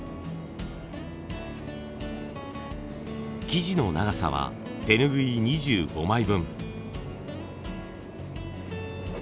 生地の長さは手ぬぐい２５枚分。